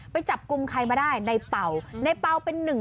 ไปจับกลุ่มใครมาได้ในเป่าในเป่าเป็นหนึ่ง